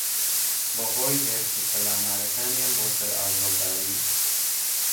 بەھۆی ھێرش و پەلامارەکانیان بۆسەر ئاژەڵداری